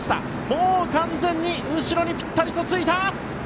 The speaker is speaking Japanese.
もう完全に後ろにぴったりとついた！